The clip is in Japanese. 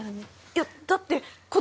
いやだって子供